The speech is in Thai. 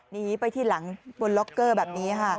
หนีไปที่หลังบนล็อกเกอร์แบบนี้ค่ะ